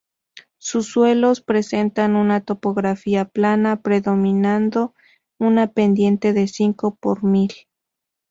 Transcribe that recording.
Sus suelos presentan una topografía plana, predominando una pendiente de cinco por mil.